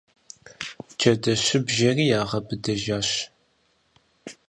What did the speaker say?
Джэдэщыбжэри ягъэбыдэжащ.